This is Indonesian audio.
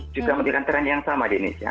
juga memberikan tren yang sama di indonesia